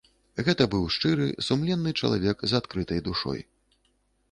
Гэта быў шчыры, сумленны чалавек з адкрытай душой.